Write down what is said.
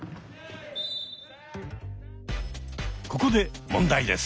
ここで問題です。